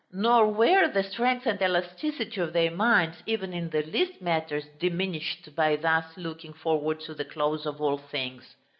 Nor were the strength and elasticity of their minds, even in the least matters, diminished by thus looking forward to the close of all things.